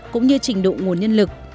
cũng như trình độ nguồn nhân lực